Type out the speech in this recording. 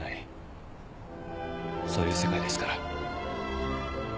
そういう世界ですから。